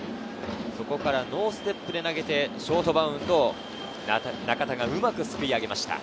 ノーステップで投げてショートバウンドを中田がうまくすくい上げました。